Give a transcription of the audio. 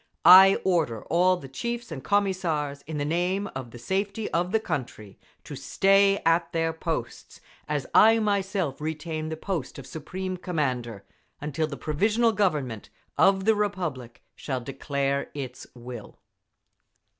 I order all the chiefs and Commissars, in the name of the safety of the country, to stay at their posts, as I myself retain the post of Supreme Commander, until the Provisional Government of the Republic shall declare its will….